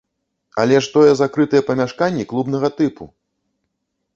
Але ж тое закрытыя памяшканні клубнага тыпу!